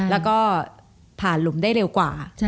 แล้วก็ผ่านหลุมได้เร็วกว่า